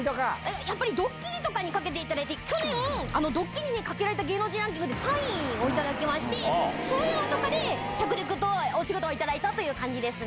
やっぱりドッキリとかにかけていただいて、去年、ドッキリにかけられた芸能人ランキングで、３位を頂きまして、そういうのとかで、着々とお仕事を頂いたという感じですね。